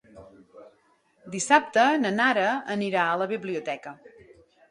Dissabte na Nara anirà a la biblioteca.